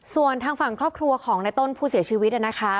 ส่วนทางฝั่งครอบครัวของในต้นผู้เสียชีวิตนะคะ